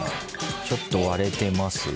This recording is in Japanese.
ちょっと割れてますが。